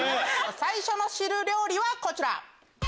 最初の汁料理はこちら！